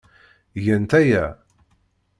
Gant aya.